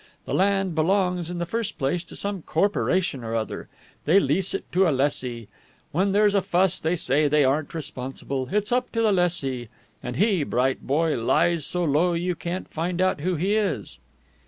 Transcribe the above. The land belongs in the first place to some corporation or other. They lease it to a lessee. When there's a fuss, they say they aren't responsible, it's up to the lessee. And he, bright boy, lies so low you can't find out who it is."